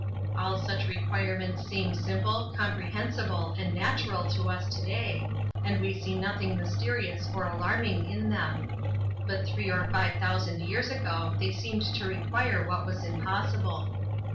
All such requirements seem simple, comprehensible, and natural to us to day, and we see nothing mysterious or alarming in them. But three or five thousand years ago they seemed to require what was impossible.